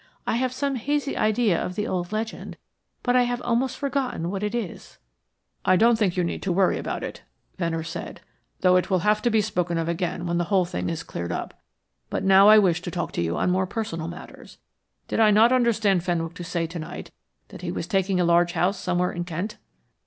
I have some hazy idea of the old legend, but I have almost forgotten what it is." "I don't think you need worry about that," Venner said. "Though it will have to be spoken of again when the whole thing is cleared up; but now I wish to talk to you on more personal matters. Did I not understand Fenwick to say to night that he was taking a large house somewhere in Kent?"